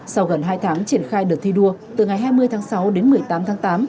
sau gần hai tháng triển khai đợt thi đua từ ngày hai mươi tháng sáu đến một mươi tám tháng tám